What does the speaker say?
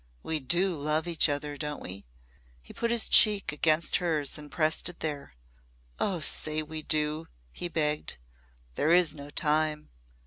We do love each other, don't we?" He put his cheek against hers and pressed it there. "Oh, say we do," he begged. "There is no time.